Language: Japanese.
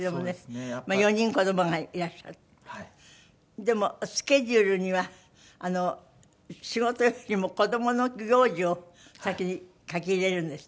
でもスケジュールには仕事よりも子供の行事を先に書き入れるんですって？